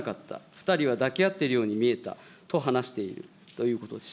２人は抱き合っているように見えたと話しているということです。